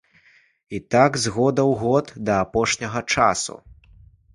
І так з года ў год да апошняга часу.